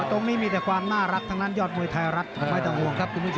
ตรงนี้มีแต่ความน่ารักทั้งนั้นยอดมวยไทยรัฐไม่ต้องห่วงครับคุณผู้ชม